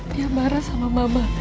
dia marah sama mama